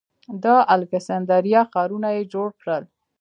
د الکسندریه ښارونه یې جوړ کړل